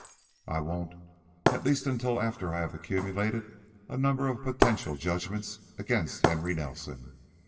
"I won't, at least until after I have accumulated a number of potential judgments against Henry Nelson.